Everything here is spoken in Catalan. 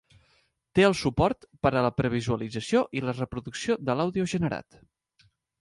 Té el suport per a la previsualització i la reproducció de l'àudio generat.